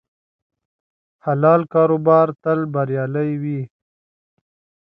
حلال کاروبار تل بریالی وي.